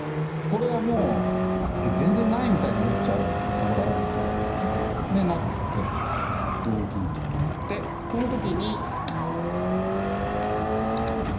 これはもう全然ないみたいに思っちゃうところあるのでで成って同銀と取ってこの時に。